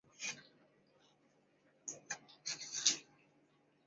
沈阳市长城列表旨在列出中国辽宁省沈阳市的长城墙体及附属设施。